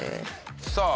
さあ